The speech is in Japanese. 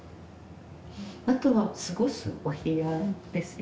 あとは過ごすお部屋ですね。